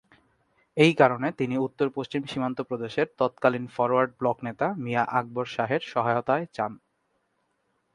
এই কারণে, তিনি উত্তর-পশ্চিম সীমান্ত প্রদেশের তৎকালীন ফরোয়ার্ড ব্লক নেতা মিয়া আকবর শাহের সহায়তায় চান।